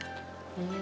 うん。